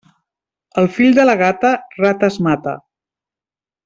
El fill de la gata, rates mata.